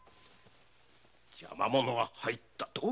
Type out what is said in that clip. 邪魔者が入った？